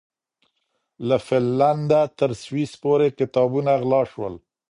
له فنلنډه تر سويس پورې کتابونه غلا شول.